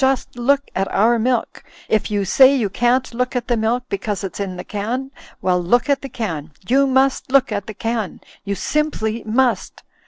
Just look at our milk ! If you say you can't look at the milk, because it's in the can — ^well, look at the can ! You must look at the can ! You simply must